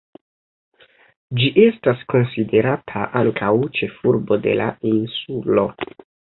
Ĝi estas konsiderata ankaŭ ĉefurbo de la insulo.